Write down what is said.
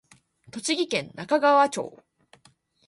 栃木県那珂川町